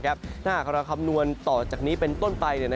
ถ้าหากเราคำนวณต่อจากนี้เป็นต้นไป